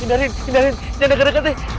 hindarin hindarin jangan deket deketin